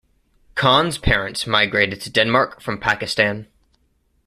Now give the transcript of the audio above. Khan's parents migrated to Denmark from Pakistan.